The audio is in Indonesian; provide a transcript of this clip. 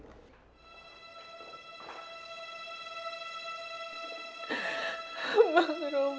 beritahu seng bang